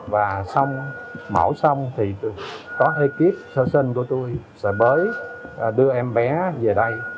và mẫu xong thì có ekip sơ sinh của tôi sẽ mới đưa em bé về đây